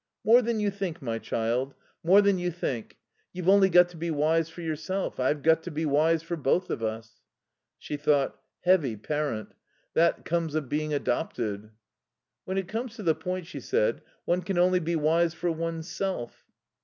"More than you think, my child; more than you think. You've only got to be wise for yourself. I've got to be wise for both of us." She thought: "Heavy parent. That comes of being adopted." "When it comes to the point," she said, "one can only be wise for oneself."